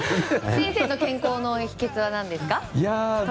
先生の健康の秘訣は何ですか？